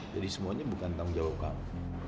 jadi semuanya bukan tanggung jawab kamu